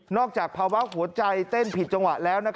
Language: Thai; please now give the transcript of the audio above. จากภาวะหัวใจเต้นผิดจังหวะแล้ว